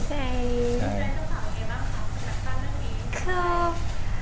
คุณแนทต้องถามว่าไงบ้างค่ะเป็นหนังตั้งเรื่องนี้